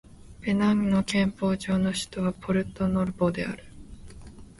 ベナンの憲法上の首都はポルトノボである